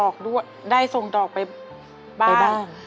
ก็ได้ทรงดอกไปบ้าน